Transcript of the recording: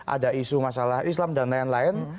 ada isu masalah islam dan lain lain